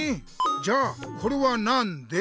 じゃあこれはなんで？